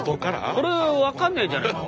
これ分かんないんじゃないの？